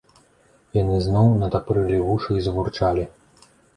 Яны зноў натапырылі вушы і забурчалі.